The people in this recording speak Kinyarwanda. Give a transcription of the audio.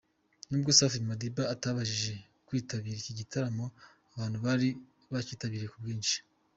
Nubwo Safi Madiba atabashije kwitabira iki gitaramo abantu bari bakitabiriye ku bwinshi.